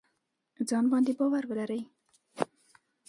ځان باندې باور ولرئ